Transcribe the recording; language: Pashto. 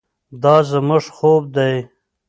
دا زموږ خوب دی.